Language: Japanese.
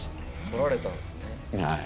取られたんですね。